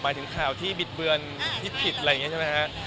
ถึงข่าวที่บิดเบือนที่ผิดอะไรอย่างนี้ใช่ไหมฮะ